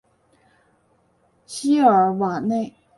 西尔瓦内。